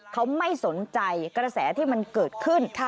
เขาไม่สนใจกระแสที่มันเกิดขึ้น